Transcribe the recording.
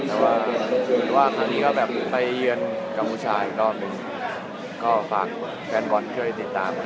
แต่ว่าคราวนี้ก็แบบไปเยือนกับผู้ชายก็ฝากแฟนบอลเคยติดตาม